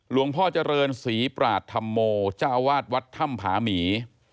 หลวงพ่อเจริญศรีปราธัมโมเจ้าอาวาสวัดถ้ำผาหมี